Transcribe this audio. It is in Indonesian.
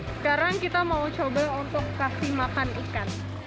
sekarang kita mau coba untuk kasih makan ikan